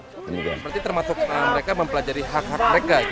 seperti termasuk mereka mempelajari hak hak mereka